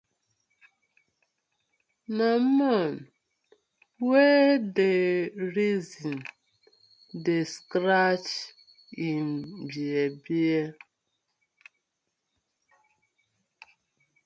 Na man wey dey reason dey scratch im bear-bear.